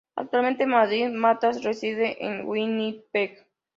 Actualmente David Matas reside en Winnipeg.